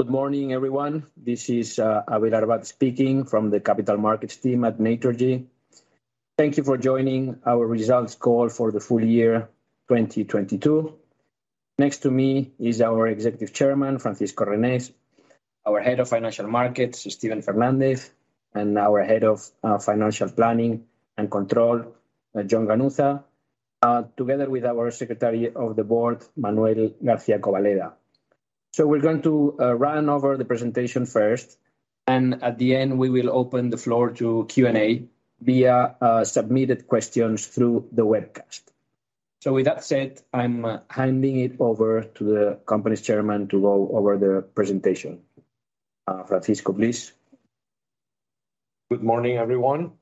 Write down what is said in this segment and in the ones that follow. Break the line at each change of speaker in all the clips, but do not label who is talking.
Good morning, everyone. This is Abel Arbat speaking from the capital markets team at Naturgy. Thank you for joining our results call for the full year 2022. Next to me is our Executive Chairman, Francisco Reynés, our Head of Financial Markets, Steven Fernández, and our Head of Financial Planning and Control, Jon Ganuza, together with our Secretary of the Board, Manuel García Cobaleda. We're going to run over the presentation first, and at the end, we will open the floor to Q&A via submitted questions through the webcast. With that said, I'm handing it over to the company's chairman to go over the presentation. Francisco, please.
Good morning, everyone.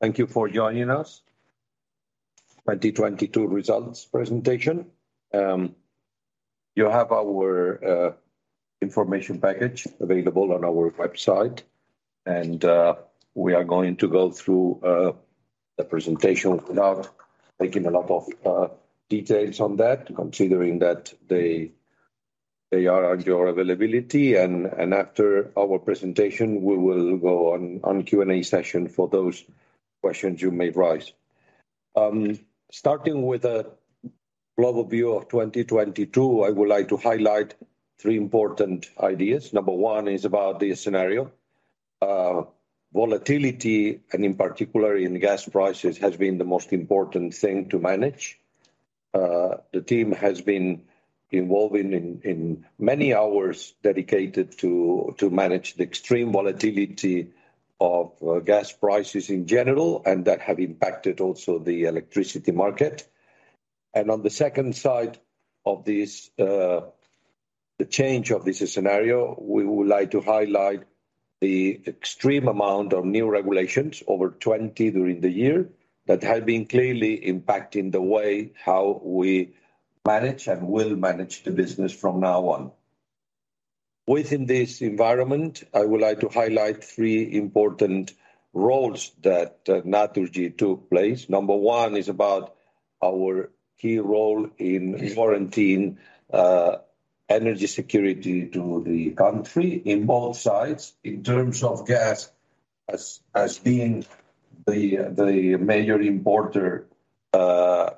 Thank you for joining us. 2022 results presentation. You have our information package available on our website and we are going to go through the presentation without taking a lot of details on that, considering that they are at your availability and after our presentation, we will go on Q&A session for those questions you may rise. Starting with a global view of 2022, I would like to highlight 3 important ideas. Number one is about the scenario. Volatility, and in particular in gas prices, has been the most important thing to manage. The team has been involving in many hours dedicated to manage the extreme volatility of gas prices in general and that have impacted also the electricity market. On the second side of this, the change of this scenario, we would like to highlight the extreme amount of new regulations, over 20 during the year, that have been clearly impacting the way how we manage and will manage the business from now on. Within this environment, I would like to highlight three important roles that Naturgy took place. Number one is about our key role in guaranteeing energy security to the country in both sides in terms of gas as being the major importer,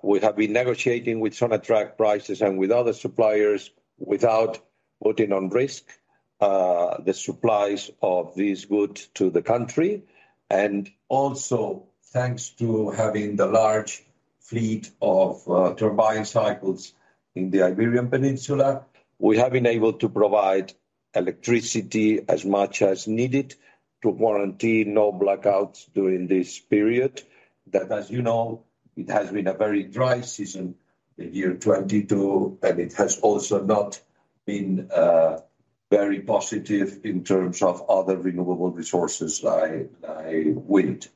we have been negotiating with Sonatrach prices and with other suppliers without putting on risk, the supplies of these goods to the country. Also thanks to having the large fleet of turbine cycles in the Iberian Peninsula, we have been able to provide electricity as much as needed to guarantee no blackouts during this period. As you know, it has been a very dry season in year 2022, and it has also not been very positive in terms of other renewable resources like wind.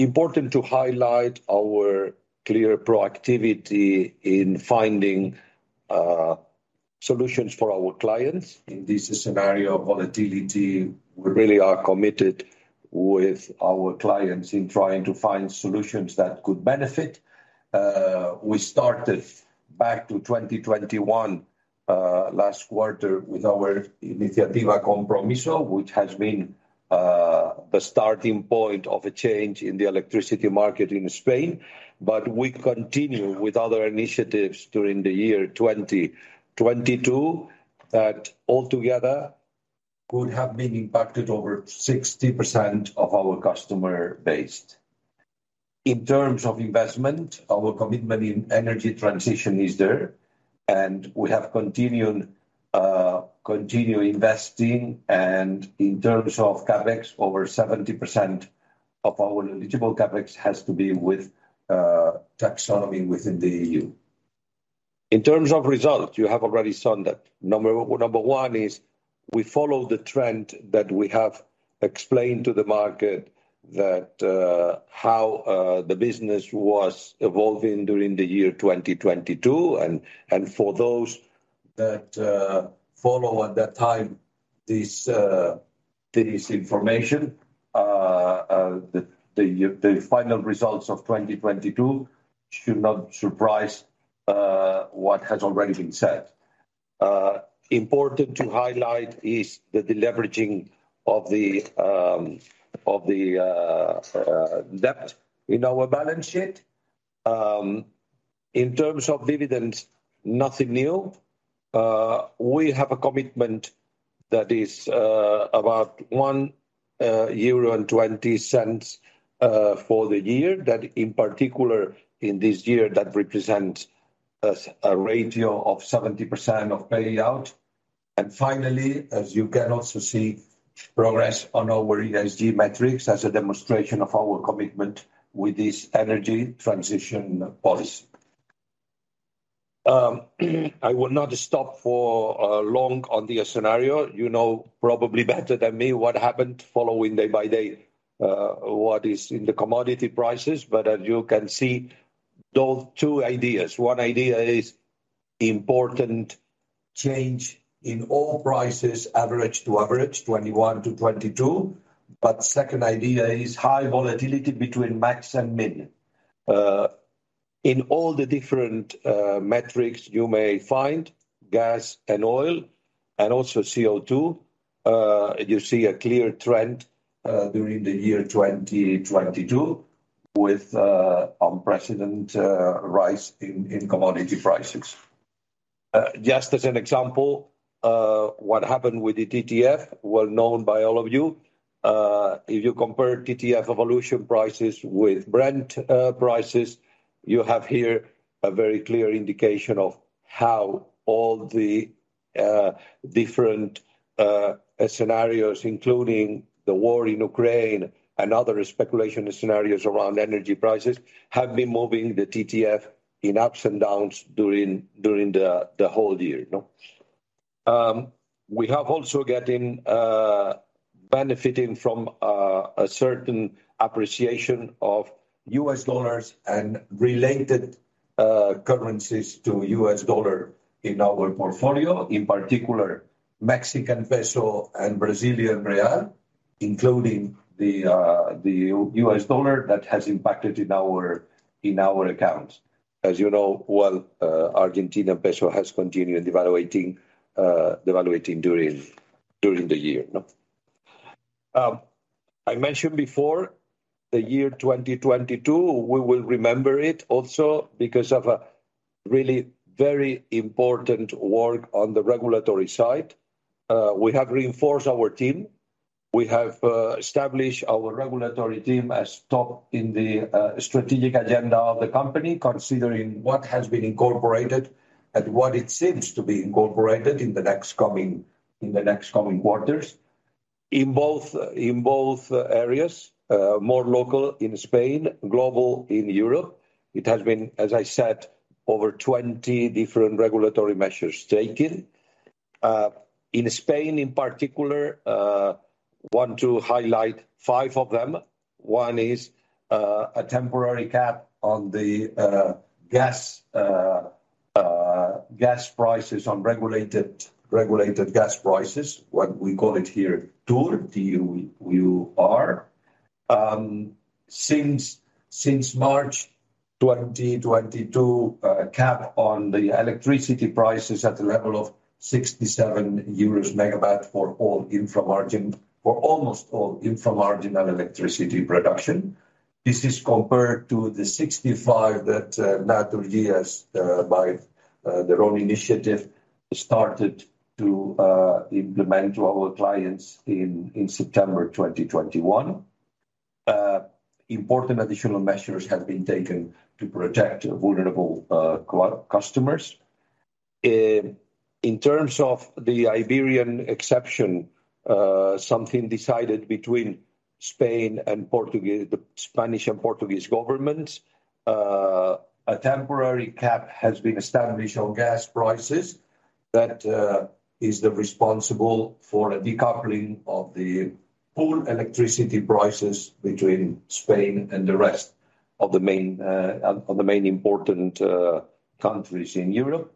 Important to highlight our clear proactivity in finding solutions for our clients. In this scenario of volatility, we really are committed with our clients in trying to find solutions that could benefit. We started back to 2021 last quarter with our Iniciativa Compromiso, which has been the starting point of a change in the electricity market in Spain. We continue with other initiatives during the year 2022 that altogether could have been impacted over 60% of our customer base. In terms of investment, our commitment in energy transition is there, we have continued, continue investing in terms of CapEx, over 70% of our eligible CapEx has to be with taxonomy within the EU. In terms of results, you have already seen that. Number one is we follow the trend that we have explained to the market that how the business was evolving during the year 2022. For those that follow at that time this information, the final results of 2022 should not surprise what has already been said. Important to highlight is the deleveraging of the debt in our balance sheet. In terms of dividends, nothing new. We have a commitment that is about 1.20 euro for the year, that in particular in this year, that represents a ratio of 70% of payout. Finally, as you can also see, progress on our ESG metrics as a demonstration of our commitment with this energy transition policy. I will not stop for long on the scenario. You know probably better than me what happened following day by day, what is in the commodity prices, as you can see, those two ideas. One idea is important change in all prices, average to average, 2021 to 2022. Second idea is high volatility between max and min. In all the different metrics you may find, gas and oil and also CO2, you see a clear trend during the year 2022 with unprecedented rise in commodity prices. Just as an example, what happened with the TTF, well-known by all of you. If you compare TTF evolution prices with Brent prices, you have here a very clear indication of how all the different scenarios, including the war in Ukraine and other speculation scenarios around energy prices, have been moving the TTF in ups and downs during the whole year, you know? We have also getting benefiting from a certain appreciation of US dollars and related currencies to US dollar in our portfolio, in particular Mexican peso and Brazilian real, including the U.S. dollar that has impacted in our accounts. As you know well, Argentina peso has continued devaluating during the year. No? I mentioned before the year 2022, we will remember it also because of a really very important work on the regulatory side. We have reinforced our team. We have established our regulatory team as top in the strategic agenda of the company, considering what has been incorporated and what it seems to be incorporated in the next coming quarters. In both areas, more local in Spain, global in Europe, it has been, as I said, over 20 different regulatory measures taken. In Spain in particular, want to highlight 5 of them. One is a temporary cap on the gas prices on regulated gas prices, what we call it here TUR, T-U-R. Since March 2022, a cap on the electricity prices at the level of 67 euros megawatt for all inframarginal or almost all inframarginal electricity production. This is compared to the 65 that Naturgy has by their own initiative, started to implement to our clients in September 2021. Important additional measures have been taken to protect vulnerable customers. In terms of the Iberian exception, something decided between Spain and the Spanish and Portuguese governments, a temporary cap has been established on gas prices that is the responsible for a decoupling of the full electricity prices between Spain and the rest of the main of the main important countries in Europe.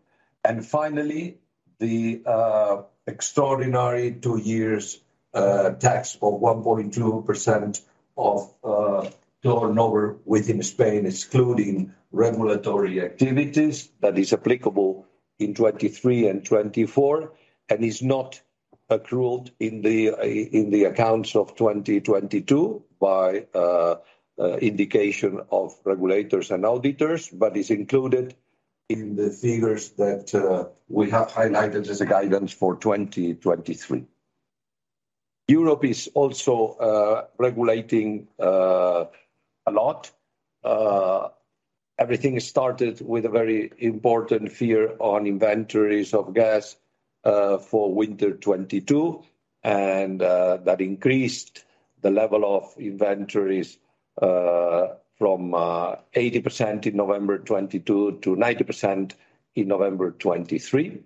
Finally, the extraordinary two years tax of 1.2% of turnover within Spain, excluding regulatory activities that is applicable in 2023 and 2024 and is not accrued in the accounts of 2022 by indication of regulators and auditors, but is included in the figures that we have highlighted as a guidance for 2023. Europe is also regulating a lot. Everything started with a very important fear on inventories of gas for winter 2022, and that increased the level of inventories from 80% in November 2022 to 90% in November 2023.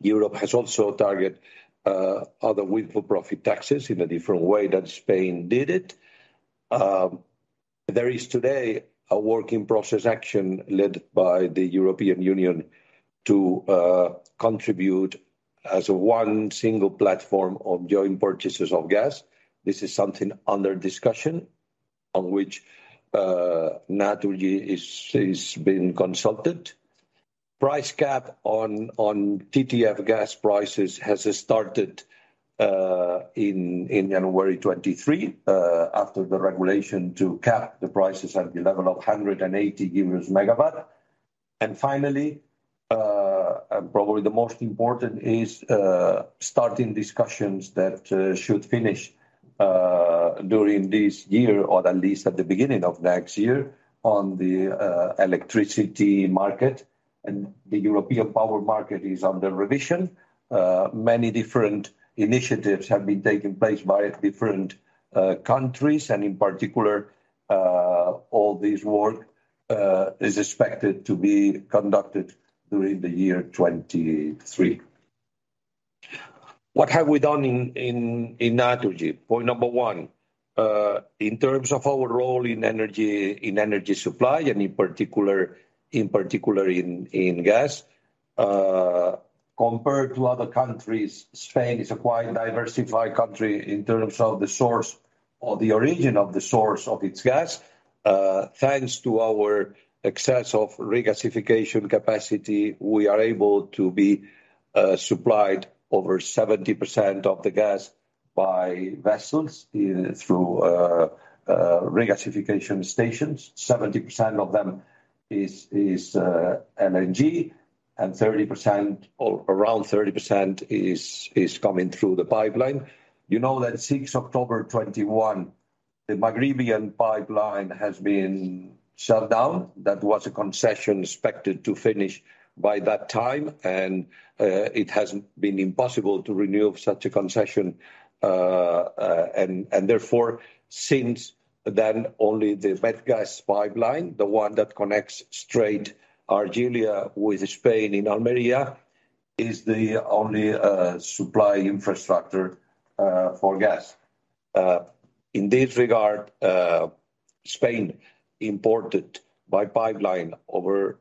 Europe has also target other with-for-profit taxes in a different way that Spain did it. There is today a work in process action led by the European Union to contribute as one single platform of joint purchases of gas. This is something under discussion on which Naturgy is being consulted. Price cap on TTF gas prices has started in January 2023 after the regulation to cap the prices at the level of 180 euros megawatt. Finally, and probably the most important is starting discussions that should finish during this year or at least at the beginning of next year on the electricity market and the European power market is under revision. Many different initiatives have been taking place by different countries and in particular, all this work is expected to be conducted during the year 23. What have we done in Naturgy? Point number one, in terms of our role in energy supply, and in particular in gas. Compared to other countries, Spain is a quite diversified country in terms of the source or the origin of the source of its gas. Thanks to our excess of regasification capacity, we are able to be supplied over 70% of the gas by vessels through regasification stations. 70% of them is LNG, and 30% or around 30% is coming through the pipeline. You know that since October 2021, the Maghrebian pipeline has been shut down. That was a concession expected to finish by that time, and it has been impossible to renew such a concession. Therefore, since then, only the Medgaz pipeline, the one that connects straight Algeria with Spain in Almeria, is the only supply infrastructure for gas. In this regard, Spain imported by pipeline over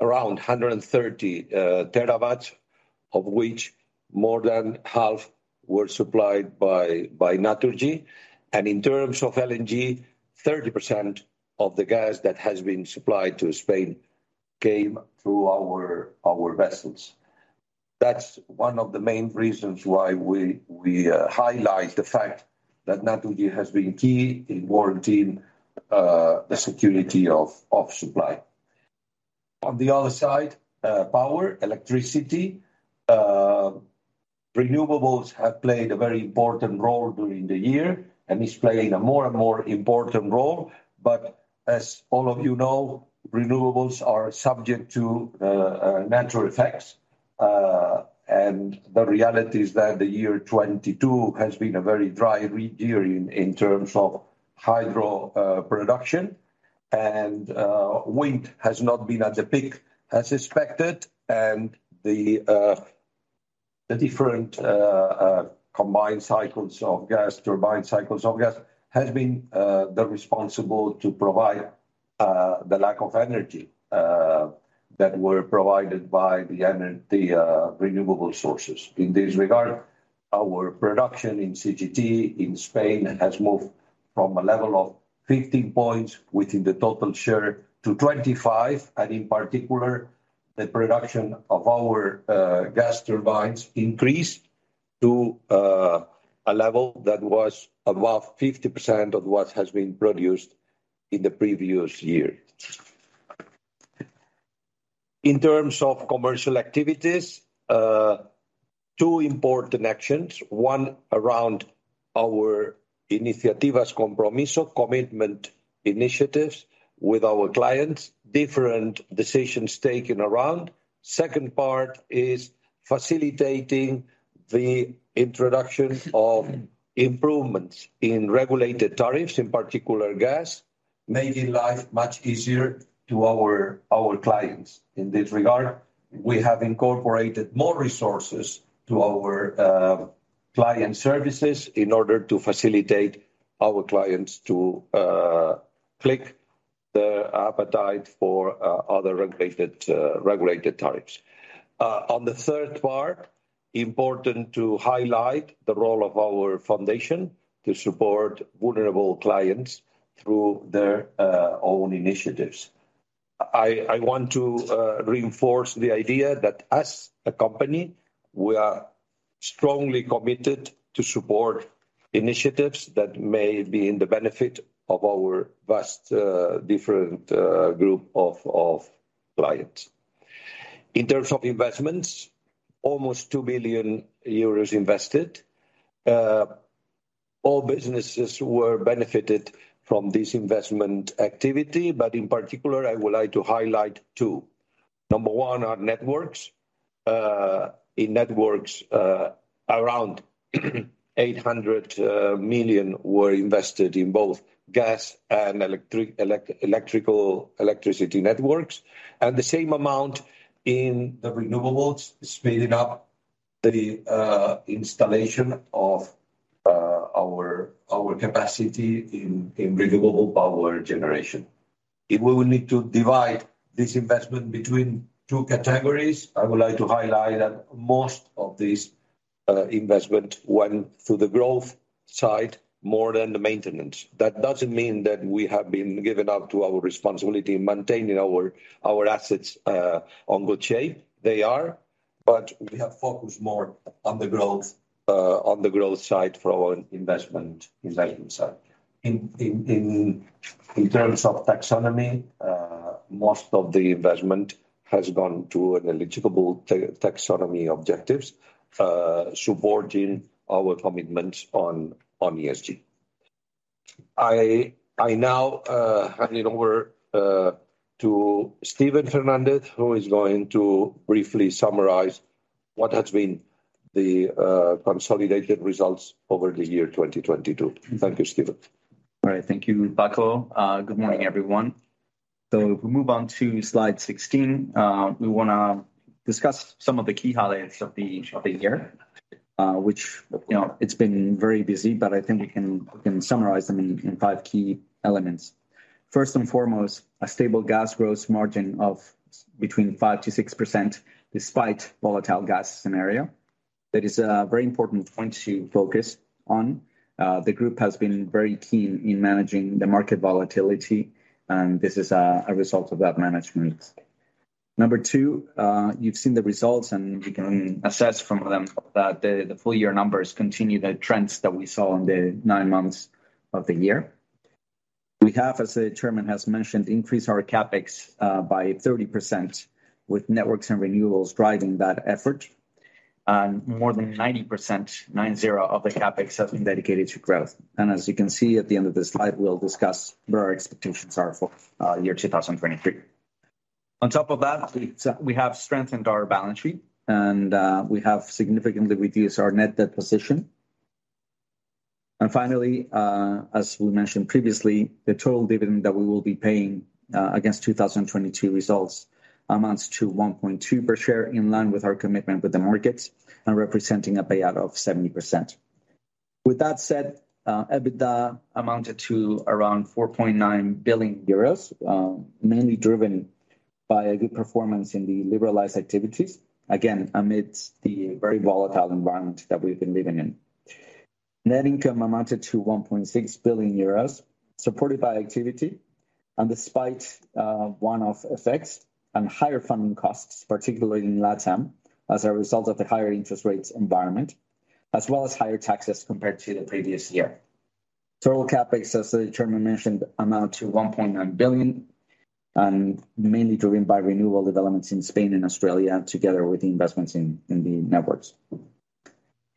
around 130 terabytes, of which more than half were supplied by Naturgy. In terms of LNG, 30% of the gas that has been supplied to Spain came through our vessels. That's one of the main reasons why we highlight the fact that Naturgy has been key in guaranteeing the security of supply. On the other side, power, electricity. Renewables have played a very important role during the year and is playing a more and more important role. As all of you know, renewables are subject to natural effects. The reality is that the year 2022 has been a very dry year in terms of hydro production, and wind has not been at the peak as expected. The different combined cycles of gas, turbine cycles of gas has been the responsible to provide the lack of energy that were provided by the renewable sources. In this regard, our production in CCGT in Spain has moved from a level of 15 points within the total share to 25, and in particular, the production of our gas turbines increased to a level that was above 50% of what has been produced in the previous year. In terms of commercial activities, two important actions. One, around our Iniciativas Compromiso, commitment initiatives with our clients, different decisions taken around. Second part is facilitating the introduction of improvements in regulated tariffs, in particular gas, making life much easier to our clients. In this regard, we have incorporated more resources to our client services in order to facilitate our clients to click the appetite for other regulated tariffs. On the third part, important to highlight the role of our foundation to support vulnerable clients through their own initiatives. I want to reinforce the idea that as a company, we are strongly committed to support initiatives that may be in the benefit of our vast different group of clients. In terms of investments, almost 2 billion euros invested. All businesses were benefited from this investment activity, but in particular, I would like to highlight two. Number one, our networks. In networks, around 800 million were invested in both gas and electricity networks, and the same amount in the renewables, speeding up the installation of our capacity in renewable power generation. If we will need to divide this investment between two categories, I would like to highlight that most of this investment went to the growth side more than the maintenance. That doesn't mean that we have been given up to our responsibility in maintaining our assets on good shape. They are, but we have focused more on the growth side for our investment side. In terms of taxonomy, most of the investment has gone to an eligible taxonomy objectives, supporting our commitments on ESG. I now hand it over to Steven Fernandez, who is going to briefly summarize what has been the consolidated results over the year 2022. Thank you, Steven.
All right. Thank you, Francisco. Good morning, everyone. If we move on to slide 16, we wanna discuss some of the key highlights of the year. Which, you know, it's been very busy, but I think we can summarize them in five key elements. First and foremost, a stable gas gross margin of between 5%-6% despite volatile gas scenario. That is a very important point to focus on. The group has been very keen in managing the market volatility, and this is a result of that management. Number two, you've seen the results, and we can assess from them that the full year numbers continue the trends that we saw in the nine months of the year. We have, as the Chairman has mentioned, increased our CapEx by 30% with networks and renewals driving that effort. More than 90% of the CapEx has been dedicated to growth. As you can see at the end of this slide, we'll discuss where our expectations are for year 2023. On top of that, we have strengthened our balance sheet, and we have significantly reduced our net debt position. Finally, as we mentioned previously, the total dividend that we will be paying against 2022 results amounts to 1.2 per share in line with our commitment with the markets and representing a payout of 70%. With that said, EBITDA amounted to around 4.9 billion euros, mainly driven by a good performance in the liberalized activities, again, amidst the very volatile environment that we've been living in. Net income amounted to 1.6 billion euros, supported by activity and despite one-off effects and higher funding costs, particularly in LatAm, as a result of the higher interest rates environment, as well as higher taxes compared to the previous year. Total CapEx, as the Chairman mentioned, amount to 1.9 billion and mainly driven by renewable developments in Spain and Australia, together with the investments in the networks.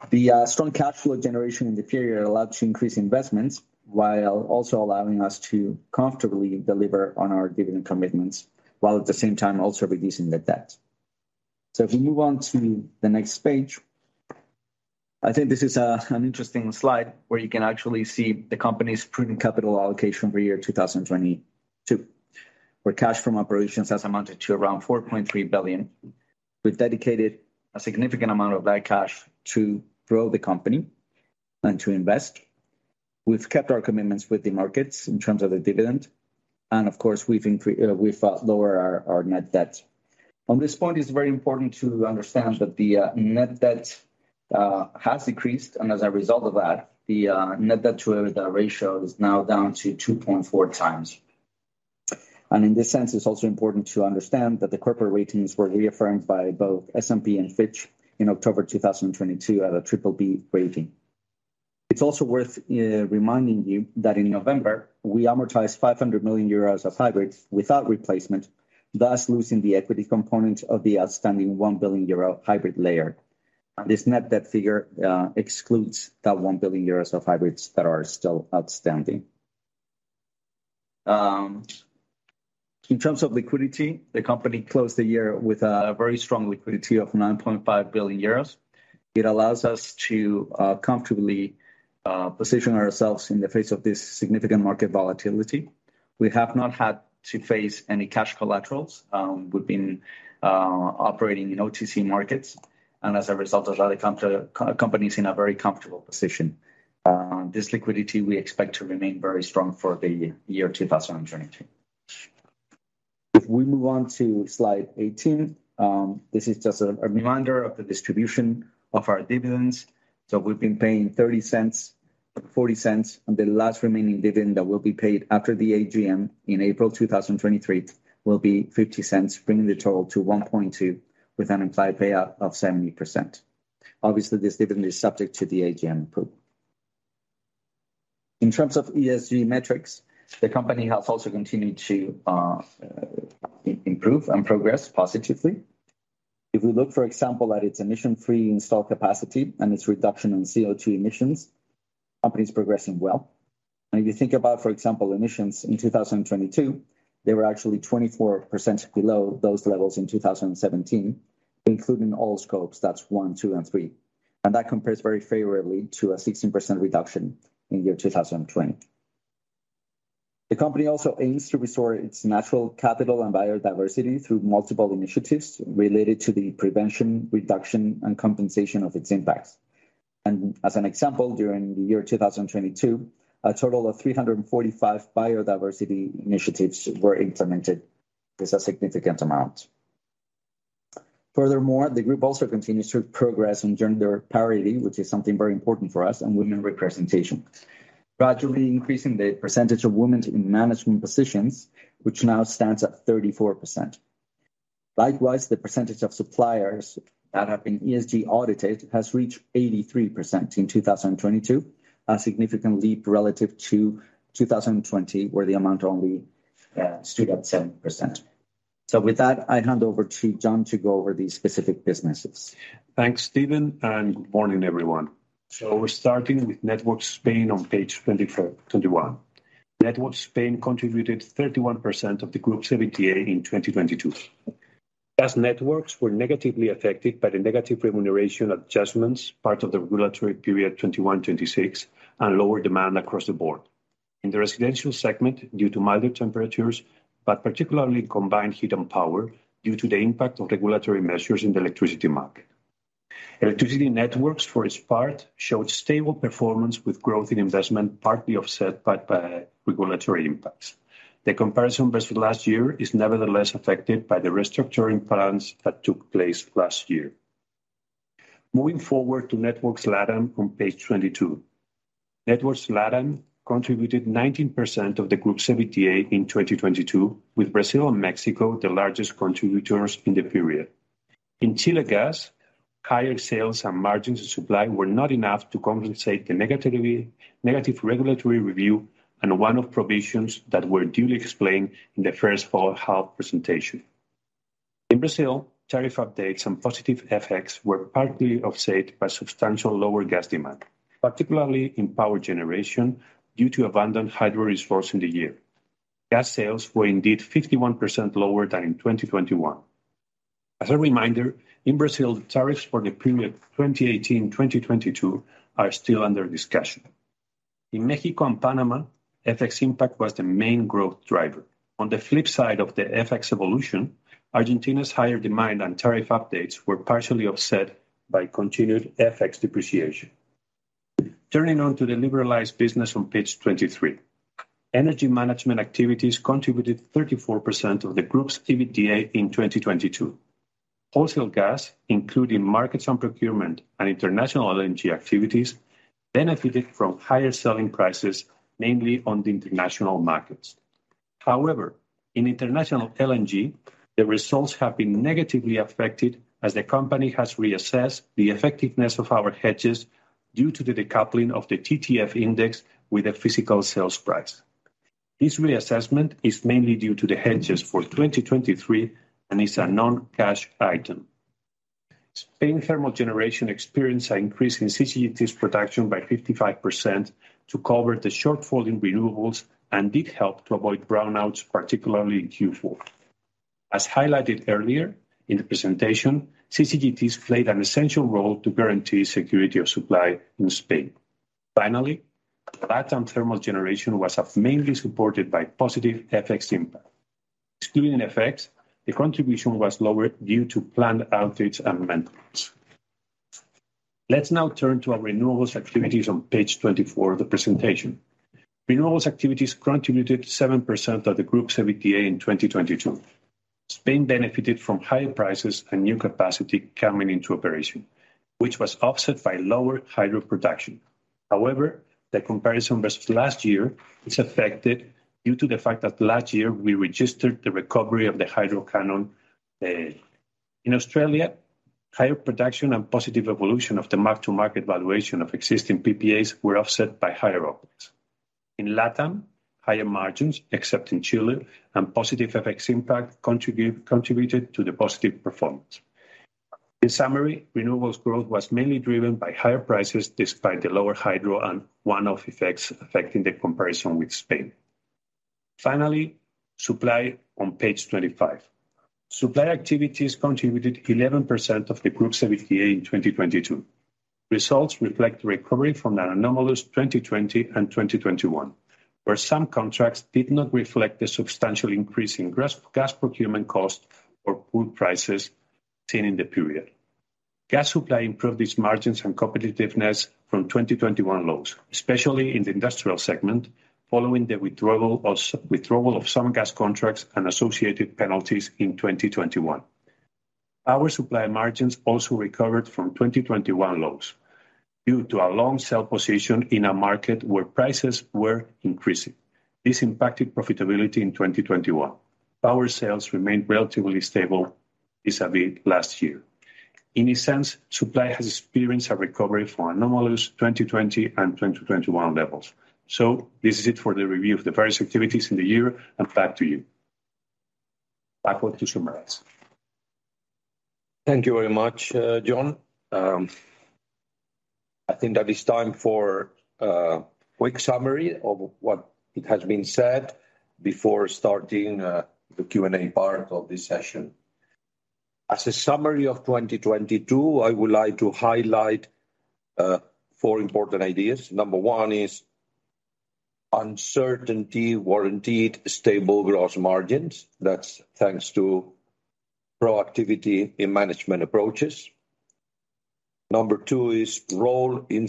The strong cash flow generation in the period allowed to increase investments while also allowing us to comfortably deliver on our dividend commitments, while at the same time also reducing the debt. If we move on to the next page, I think this is an interesting slide where you can actually see the company's prudent capital allocation for year 2022, where cash from operations has amounted to around 4.3 billion. We've dedicated a significant amount of that cash to grow the company and to invest. We've kept our commitments with the markets in terms of the dividend, and of course, we've, lower our net debt. On this point, it's very important to understand that the net debt has decreased, and as a result of that, the net debt to EBITDA ratio is now down to 2.4x. In this sense, it's also important to understand that the corporate ratings were reaffirmed by both S&P and Fitch in October 2022 at a BBB rating. It's also worth reminding you that in November, we amortized 500 million euros of hybrids without replacement, thus losing the equity component of the outstanding 1 billion euro hybrid layer. This net debt figure excludes that 1 billion euros of hybrids that are still outstanding. In terms of liquidity, the company closed the year with a very strong liquidity of 9.5 billion euros. It allows us to comfortably position ourselves in the face of this significant market volatility. We have not had to face any cash collaterals. We've been operating in OTC markets, and as a result of that, the companies in a very comfortable position. This liquidity we expect to remain very strong for the year 2023. If we move on to slide 18, this is just a reminder of the distribution of our dividends. We've been paying 0.30, 0.40, and the last remaining dividend that will be paid after the AGM in April 2023 will be 0.50, bringing the total to 1.2 with an implied payout of 70%. Obviously, this dividend is subject to the AGM approval. In terms of ESG metrics, the company has also continued to improve and progress positively. If we look, for example, at its emission-free installed capacity and its reduction in CO2 emissions, company's progressing well. If you think about, for example, emissions in 2022, they were actually 24% below those levels in 2017, including all scopes, that's 1, 2, and 3. That compares very favorably to a 16% reduction in year 2020. The company also aims to restore its natural capital and biodiversity through multiple initiatives related to the prevention, reduction, and compensation of its impacts. As an example, during the year 2022, a total of 345 biodiversity initiatives were implemented. It's a significant amount. Furthermore, the group also continues to progress in gender parity, which is something very important for us, and women representation, gradually increasing the percentage of women in management positions, which now stands at 34%. Likewise, the percentage of suppliers that have been ESG audited has reached 83% in 2022, a significant leap relative to 2020, where the amount only stood at 7%. With that, I hand over to Jon to go over the specific businesses.
Thanks, Steven. Good morning, everyone. We're starting with Networks Spain on page 21. Networks Spain contributed 31% of the group's EBITDA in 2022. Networks were negatively affected by the negative remuneration adjustments, part of the regulatory period 21-26, and lower demand across the board. In the residential segment, due to milder temperatures, but particularly combined heat and power due to the impact of regulatory measures in the electricity market. Electricity networks, for its part, showed stable performance with growth in investment, partly offset by the regulatory impacts. The comparison versus last year is nevertheless affected by the restructuring plans that took place last year. Moving forward to Networks LatAm on page 22. Networks LatAm contributed 19% of the group's EBITDA in 2022, with Brazil and Mexico the largest contributors in the period. In Chile gas, higher sales and margins of supply were not enough to compensate the negative regulatory review and one-off provisions that were duly explained in the first full half presentation. In Brazil, tariff updates and positive FX were partly offset by substantial lower gas demand, particularly in power generation, due to abundant hydro resource in the year. Gas sales were indeed 51% lower than in 2021. As a reminder, in Brazil, tariffs for the period 2018, 2022 are still under discussion. In Mexico and Panama, FX impact was the main growth driver. On the flip side of the FX evolution, Argentina's higher demand and tariff updates were partially offset by continued FX depreciation. Turning on to the liberalized business on page 23. Energy management activities contributed 34% of the group's EBITDA in 2022. Wholesale gas, including markets and procurement and international LNG activities, benefited from higher selling prices, mainly on the international markets. In international LNG, the results have been negatively affected as the company has reassessed the effectiveness of our hedges due to the decoupling of the TTF index with the physical sales price. This reassessment is mainly due to the hedges for 2023 and is a non-cash item. Spain thermal generation experienced an increase in CCGTs production by 55% to cover the shortfall in renewables and did help to avoid brownouts, particularly in Q4. As highlighted earlier in the presentation, CCGTs played an essential role to guarantee security of supply in Spain. LatAm thermal generation was mainly supported by positive FX impact. Excluding FX, the contribution was lower due to planned outage and maintenance. Let's now turn to our renewables activities on page 24 of the presentation. Renewables activities contributed 7% of the group's EBITDA in 2022. Spain benefited from higher prices and new capacity coming into operation, which was offset by lower hydro production. The comparison versus last year is affected due to the fact that last year we registered the recovery of the hydro canon. In Australia, higher production and positive evolution of the mark-to-market valuation of existing PPAs were offset by higher OpEx. In LatAm, higher margins, except in Chile, and positive FX impact contributed to the positive performance. Renewables growth was mainly driven by higher prices despite the lower hydro and one-off effects affecting the comparison with Spain. Supply on page 25. Supply activities contributed 11% of the group's EBITDA in 2022. Results reflect the recovery from an anomalous 2020 and 2021, where some contracts did not reflect the substantial increase in gas procurement cost or pool prices seen in the period. Gas supply improved its margins and competitiveness from 2021 lows, especially in the industrial segment, following the withdrawal of some gas contracts and associated penalties in 2021. Our supply margins also recovered from 2021 lows due to a long sell position in a market where prices were increasing. This impacted profitability in 2021. Our sales remained relatively stable vis-à-vis last year. In essence, supply has experienced a recovery from anomalous 2020 and 2021 levels. This is it for the review of the various activities in the year, and back to you. Back to you, Sumer. Thank you very much, Jon. I think that it's time for a quick summary of what it has been said before starting the Q&A part of this session. As a summary of 2022, I would like to highlight four important ideas. Number one is uncertainty warranted stable gross margins. That's thanks to proactivity in management approaches. Number two is role in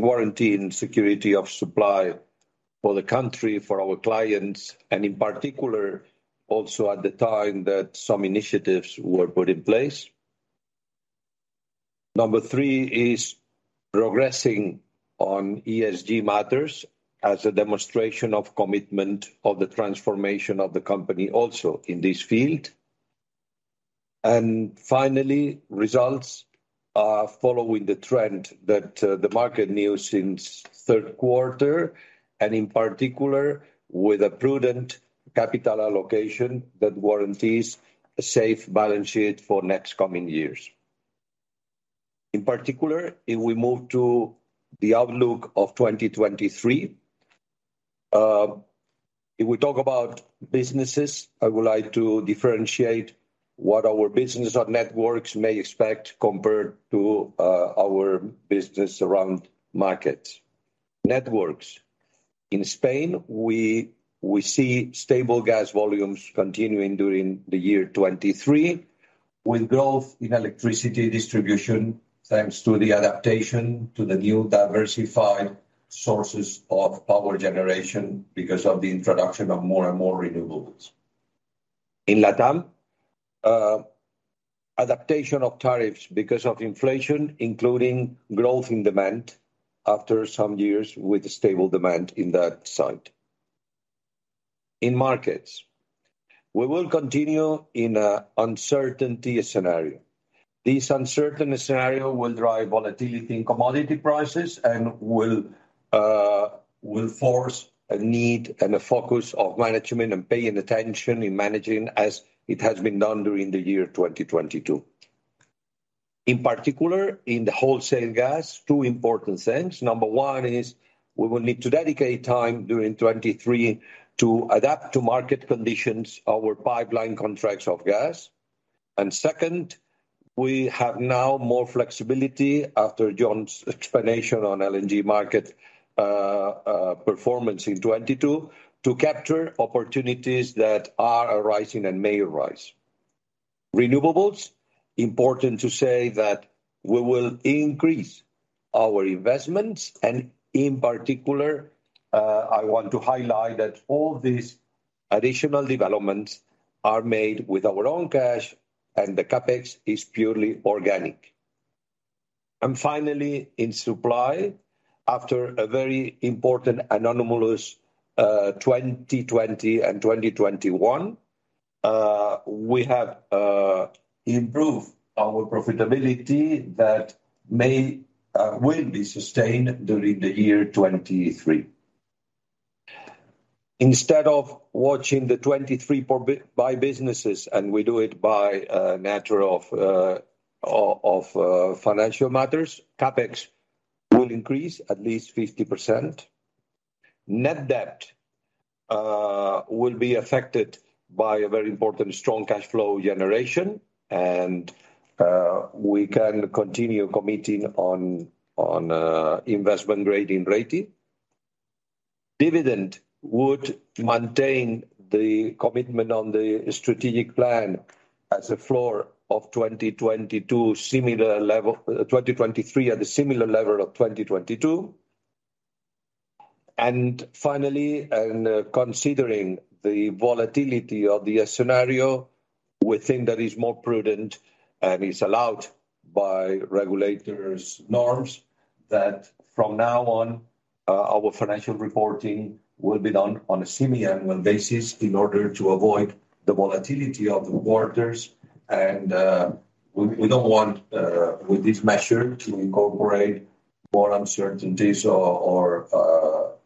warrantying security of supply for the country, for our clients, and in particular, also at the time that some initiatives were put in place. Number three is progressing on ESG matters as a demonstration of commitment of the transformation of the company also in this field. Finally, results are following the trend that the market knew since third quarter, and in particular, with a prudent capital allocation that warranties a safe balance sheet for next coming years. In particular, if we move to the outlook of 2023.
If we talk about businesses, I would like to differentiate what our business on networks may expect compared to our business around markets. Networks. In Spain, we see stable gas volumes continuing during the year 2023, with growth in electricity distribution thanks to the adaptation to the new diversified sources of power generation because of the introduction of more and more renewables. In LatAm, adaptation of tariffs because of inflation, including growth in demand after some years with stable demand in that site. In markets, we will continue in a uncertainty scenario. This uncertain scenario will drive volatility in commodity prices and will force a need and a focus of management and paying attention in managing as it has been done during the year 2022. In particular, in the wholesale gas, two important things. Number one is we will need to dedicate time during 2023 to adapt to market conditions our pipeline contracts of gas. Second, we have now more flexibility after Jon's explanation on LNG market performance in 2022 to capture opportunities that are arising and may arise. Renewables, important to say that we will increase our investments, and in particular, I want to highlight that all these additional developments are made with our own cash and the CapEx is purely organic. Finally, in supply, after a very important and anomalous 2020 and 2021, we have improved our profitability that may will be sustained during the year 2023. Instead of watching the 2023 by businesses, and we do it by nature of financial matters, CapEx will increase at least 50%. Net debt will be affected by a very important strong cash flow generation and we can continue committing on investment grade in rating. Dividend would maintain the commitment on the strategic plan as a floor of 2022 similar level, 2023 at a similar level of 2022. Finally, considering the volatility of the scenario, we think that is more prudent and is allowed by regulators' norms that from now on, our financial reporting will be done on a semiannual basis in order to avoid the volatility of the quarters. We don't want with this measure to incorporate more uncertainties or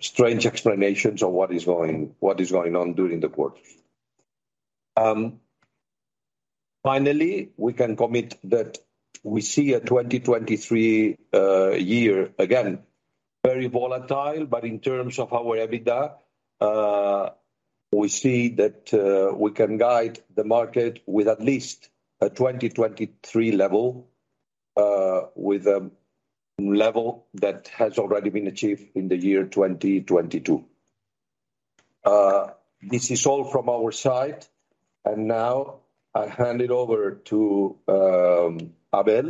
strange explanations of what is going on during the quarters. Finally, we can commit that we see a 2023 year again, very volatile, in terms of our EBITDA, we see that we can guide the market with at least a 2023 level, with a level that has already been achieved in the year 2022. This is all from our side. Now I hand it over to Abel,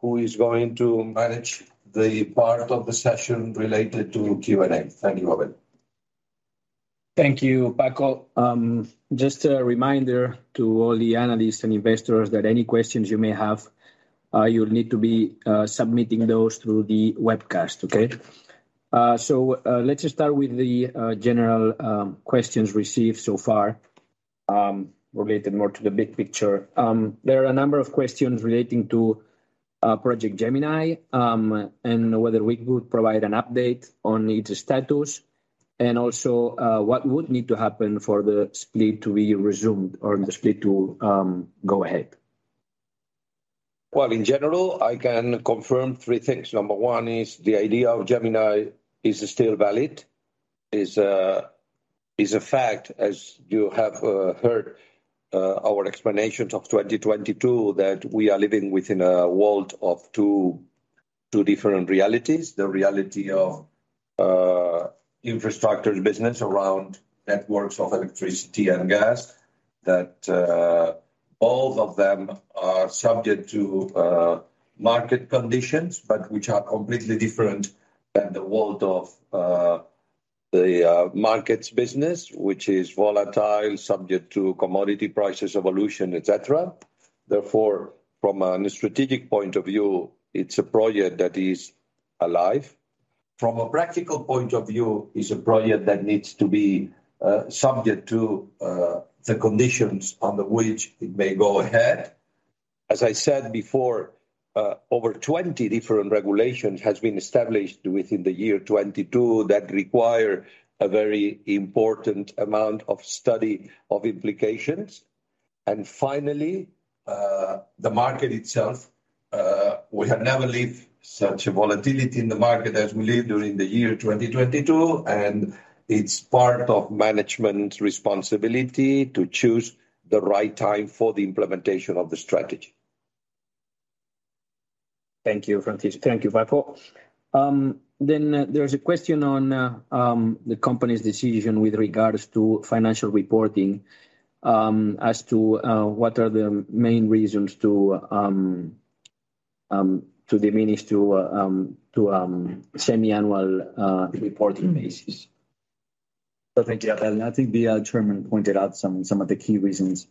who is going to manage the part of the session related to Q&A. Thank you, Abel.
Thank you, Francisco. Just a reminder to all the analysts and investors that any questions you may have, you'll need to be submitting those through the webcast. Okay? Let's just start with the general questions received so far, related more to the big picture. There are a number of questions relating to Project Gemini, and whether we could provide an update on its status and also, what would need to happen for the split to be resumed or the split to go ahead.
Well, in general, I can confirm three things. Number one is the idea of Gemini is still valid. Is a fact, as you have heard our explanations of 2022, that we are living within a world of two different realities. The reality of infrastructure business around networks of electricity and gas, that both of them are subject to market conditions, which are completely different than the world of the markets business, which is volatile, subject to commodity prices, evolution, et cetera. From a strategic point of view, it's a project that is alive. From a practical point of view, it's a project that needs to be subject to the conditions under which it may go ahead. As I said before, over 20 different regulations has been established within the year 2022 that require a very important amount of study of implications. Finally, The market itself, we have never lived such a volatility in the market as we lived during the year 2022. It's part of management's responsibility to choose the right time for the implementation of the strategy.
Thank you, Francisco. There's a question on the company's decision with regards to financial reporting, as to what are the main reasons to diminish to semi-annual reporting basis.
Thank you, Abel. I think the chairman pointed out some of the key reasons.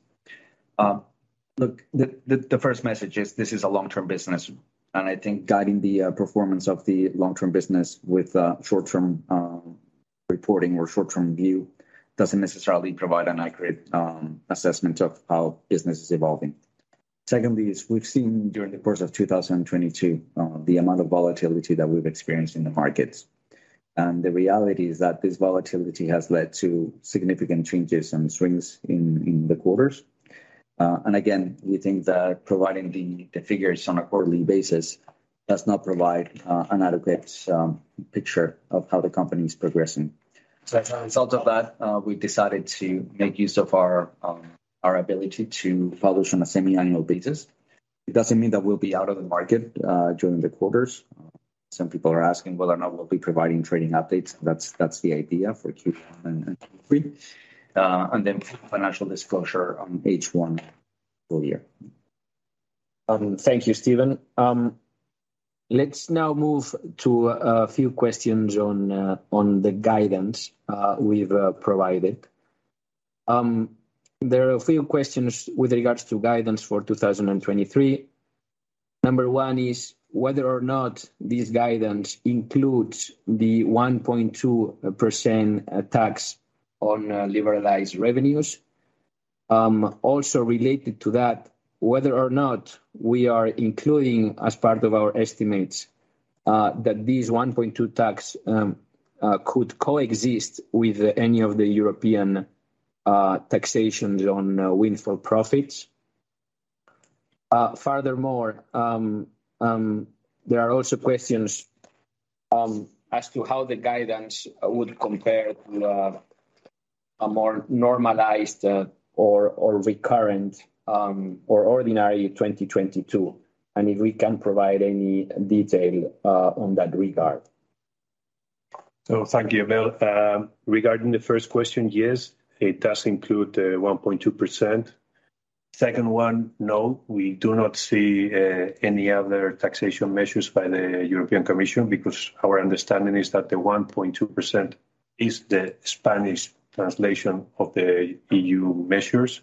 The first message is this is a long-term business. I think guiding the performance of the long-term business with short-term reporting or short-term view doesn't necessarily provide an accurate assessment of how business is evolving. Secondly, we've seen during the course of 2022, the amount of volatility that we've experienced in the markets. The reality is that this volatility has led to significant changes and swings in the quarters. Again, we think that providing the figures on a quarterly basis does not provide an adequate picture of how the company is progressing. As a result of that, we decided to make use of our ability to publish on a semi-annual basis. It doesn't mean that we'll be out of the market during the quarters. Some people are asking whether or not we'll be providing trading updates. That's the idea for Q1 and Q3. Then full financial disclosure on each one full year.
Thank you, Steven. Let's now move to a few questions on the guidance we've provided. There are a few questions with regards to guidance for 2023. 1 is whether or not this guidance includes the 1.2% tax on liberalized revenues. Also related to that, whether or not we are including as part of our estimates that this 1.2 tax could coexist with any of the European taxations on windfall profits. Furthermore, there are also questions as to how the guidance would compare to a more normalized, or recurrent, or ordinary 2022. If we can provide any detail on that regard.
Thank you, Abel. Regarding the first question, yes, it does include the 1.2%. Second one, no, we do not see any other taxation measures by the European Commission because our understanding is that the 1.2% is the Spanish translation of the EU measures.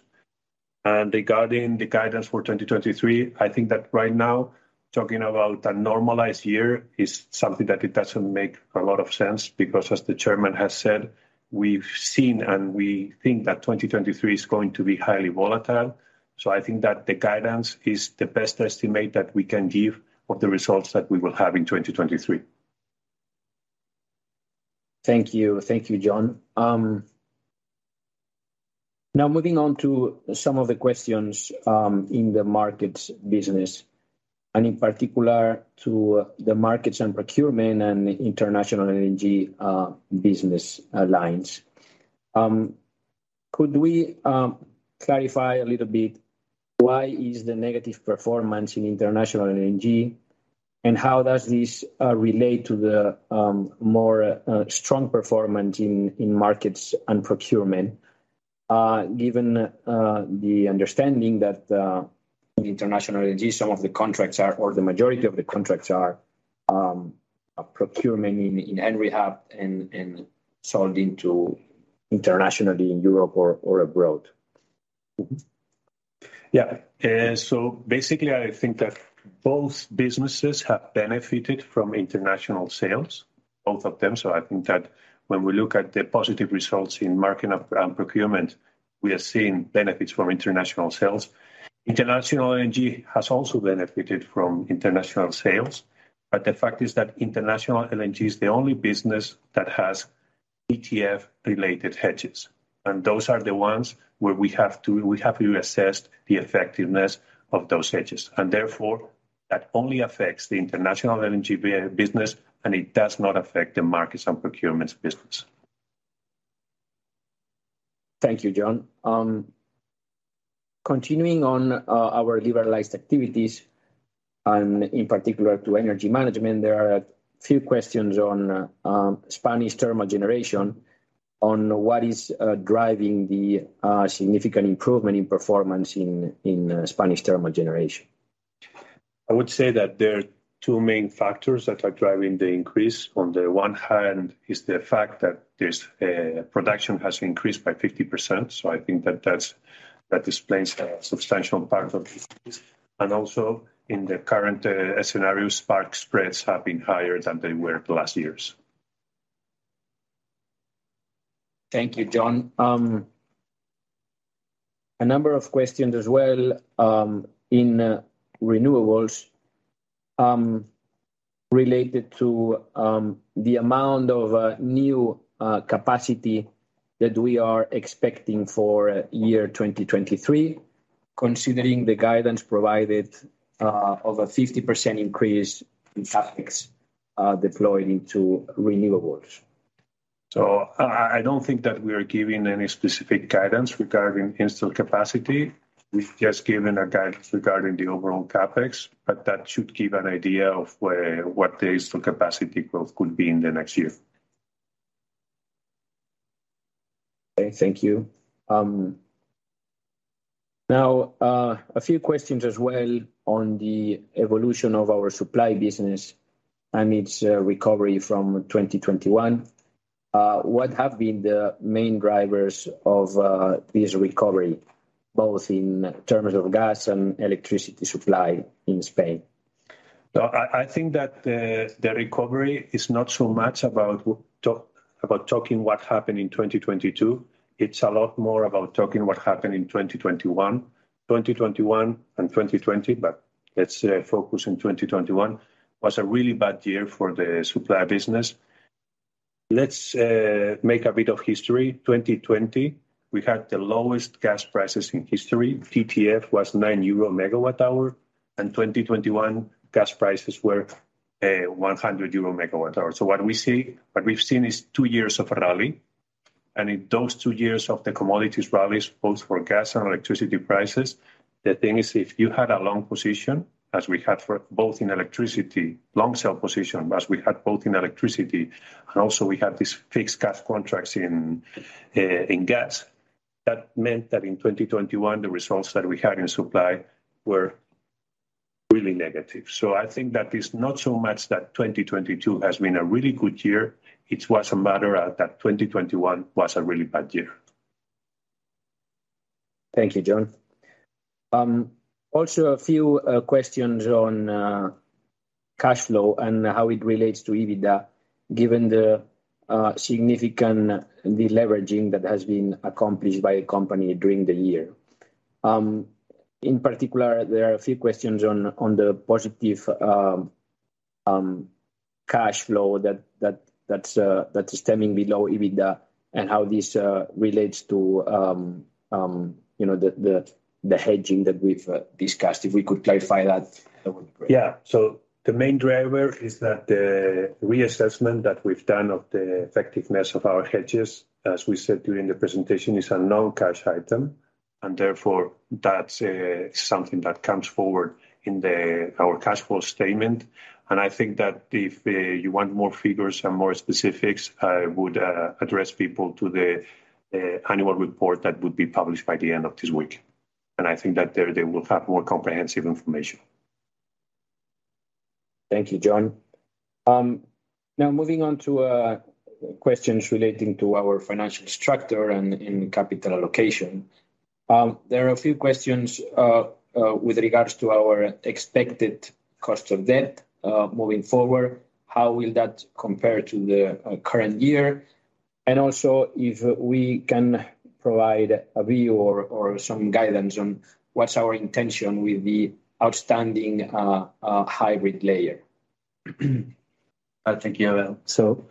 Regarding the guidance for 2023, I think that right now, talking about a normalized year is something that it doesn't make a lot of sense because as the chairman has said, we've seen and we think that 2023 is going to be highly volatile. I think that the guidance is the best estimate that we can give of the results that we will have in 2023.
Thank you. Thank you, Jon. Moving on to some of the questions in the markets business, and in particular to the markets and procurement and international energy business lines. Could we clarify a little bit why is the negative performance in international energy, and how does this relate to the more strong performance in markets and procurement, given the understanding that in international energy, some of the contracts are or the majority of the contracts are procurement in Sonatrach and sold into internationally in Europe or abroad?
Basically, I think that both businesses have benefited from international sales, both of them. I think that when we look at the positive results in market of, and procurement, we are seeing benefits from international sales. International energy has also benefited from international sales. The fact is that international LNG is the only business that has TTF-related hedges, and those are the ones where we have to assess the effectiveness of those hedges, and therefore, that only affects the international LNG business, and it does not affect the markets and procurements business.
Thank you, Jon. Continuing on, our liberalized activities and in particular to energy management, there are a few questions on Spanish thermal generation on what is driving the significant improvement in performance in Spanish thermal generation.
I would say that there are two main factors that are driving the increase. On the one hand is the fact that there's production has increased by 50%, so I think that that's, that explains a substantial part of this. Also in the current scenario, spark spreads have been higher than they were the last years.
Thank you, Jon. A number of questions as well, in renewables related to the amount of new capacity that we are expecting for year 2023, considering the guidance provided of a 50% increase in CapEx deployed into renewables.
I don't think that we are giving any specific guidance regarding installed capacity. We've just given a guidance regarding the overall CapEx, but that should give an idea of what the installed capacity growth could be in the next year.
Okay, thank you. Now, a few questions as well on the evolution of our supply business and its recovery from 2021. What have been the main drivers of this recovery, both in terms of gas and electricity supply in Spain?
No, I think that the recovery is not so much about talking what happened in 2022. It's a lot more about talking what happened in 2021. 2021 and 2020, but let's focus on 2021. Was a really bad year for the supply business. Let's make a bit of history. 2020, we had the lowest gas prices in history. TTF was 9 euro megawatt hour. 2021 gas prices were 100 euro megawatt hour. What we've seen is two years of rally, and in those two years of the commodities rallies, both for gas and electricity prices, the thing is, if you had a long position, as we had for both in electricity, long sell position, as we had both in electricity and also we had these fixed gas contracts in gas, that meant that in 2021, the results that we had in supply were really negative. I think that it's not so much that 2022 has been a really good year, it was a matter of that 2021 was a really bad year.
Thank you, Jon. Also a few questions on cash flow and how it relates to EBITDA, given the significant deleveraging that has been accomplished by the company during the year. In particular, there are a few questions on the positive cash flow that is stemming below EBITDA and how this relates to, you know, the hedging that we've discussed. If we could clarify that would be great.
Yeah. The main driver is that the reassessment that we've done of the effectiveness of our hedges, as we said during the presentation, is a non-cash item, and therefore that's something that comes forward in our cash flow statement. I think that if you want more figures and more specifics, I would address people to the annual report that would be published by the end of this week. I think that there they will have more comprehensive information.
Thank you, Jon. Now moving on to questions relating to our financial structure and capital allocation. There are a few questions with regards to our expected cost of debt moving forward. How will that compare to the current year? Also if we can provide a view or some guidance on what's our intention with the outstanding hybrid layer.
Thank you, Abel.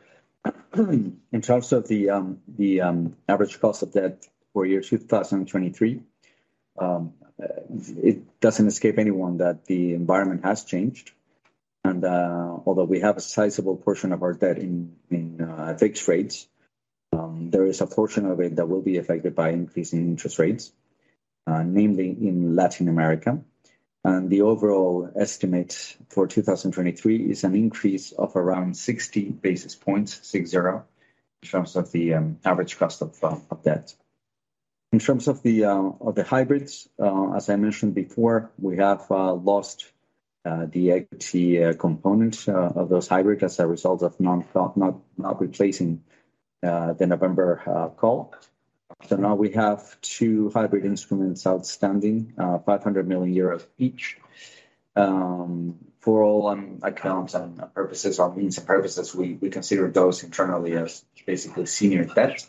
In terms of the average cost of debt for year 2023, it doesn't escape anyone that the environment has changed. Although we have a sizable portion of our debt in fixed rates, there is a portion of it that will be affected by increasing interest rates, namely in Latin America. The overall estimate for 2023 is an increase of around 60 basis points in terms of the average cost of debt. In terms of the hybrids, as I mentioned before, we have lost the equity components of those hybrids as a result of not replacing the November call. Now we have two hybrid instruments outstanding, 500 million euros each. For all in-accounts and purposes or means and purposes, we consider those internally as basically senior debt.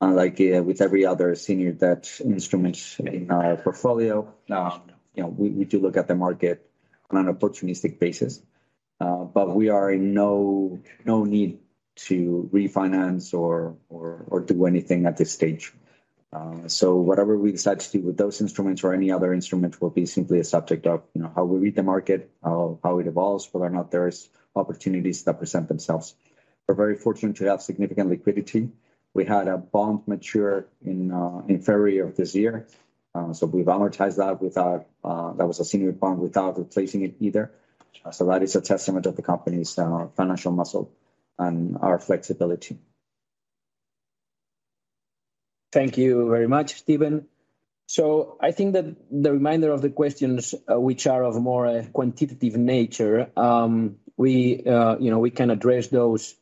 Unlike with every other senior debt instruments in our portfolio, you know, we do look at the market on an opportunistic basis. We are in no need to refinance or do anything at this stage. Whatever we decide to do with those instruments or any other instruments will be simply a subject of, you know, how we read the market, how it evolves, whether or not there is opportunities that present themselves. We're very fortunate to have significant liquidity. We had a bond mature in February of this year, we've amortized that without that was a senior bond, without replacing it either. That is a testament of the company's financial muscle and our flexibility.
Thank you very much, Steven. I think that the remainder of the questions, which are of more a quantitative nature, we, you know, we can address those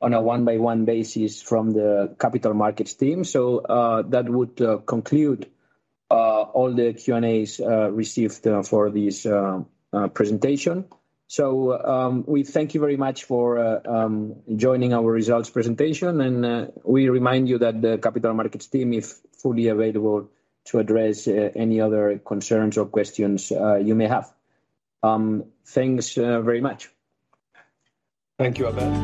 on a one-by-one basis from the capital markets team. That would conclude all the Q&As received for this presentation. We thank you very much for joining our results presentation, and we remind you that the capital markets team is fully available to address any other concerns or questions you may have. Thanks very much.
Thank you, Abel.